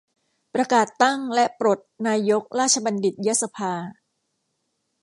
ประกาศตั้งและปลดนายกราชบัณฑิตยสภา